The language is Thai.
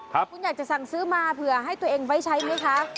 คุณอยากจะสั่งซื้อมาเผื่อให้ตัวเองไว้ใช้ไหมคะ